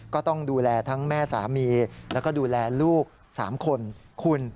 ก็ต้องดูแลทั้งแม่สามีแล้วก็ดูแลลูก๓คนคุณ